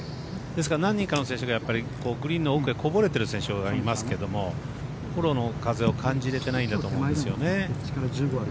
ですから何人かの選手がグリーンの奥へこぼれてる選手がいますけどもフォローの風を感じれてないんですよね。